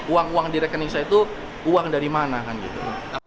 uang uang di rekening saya itu uang dari mana kan gitu